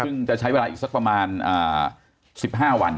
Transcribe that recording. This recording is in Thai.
ซึ่งจะใช้เวลาอีกสักประมาณ๑๕วัน